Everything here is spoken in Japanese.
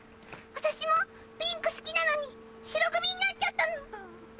私もピンク好きなのに白組になっちゃったの。